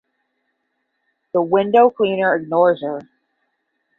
The window cleaner ignores her.